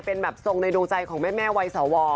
เป็นแบบทรงในดวงใจของแม่วัยสว